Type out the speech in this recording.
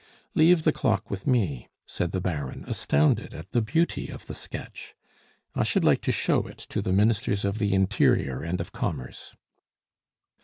"Leave the clock with me," said the Baron, astounded at the beauty of the sketch. "I should like to show it to the Ministers of the Interior and of Commerce."